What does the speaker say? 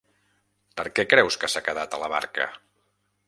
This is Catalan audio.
Per què creus que s'ha quedat a la barca?